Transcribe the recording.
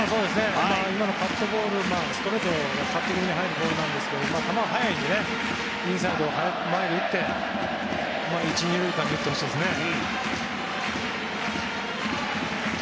今のカットボールストレートがカット気味に入るボール球が速いのでインサイドの前に打って１、２塁間に打ってほしいですね。